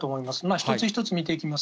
一つ一つ見ていきます。